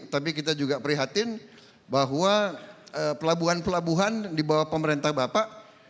tapi kita juga prihatin bahwa pelabuhan pelabuhan di bawah pemerintah bapak